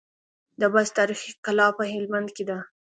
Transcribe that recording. د بست تاريخي کلا په هلمند کي ده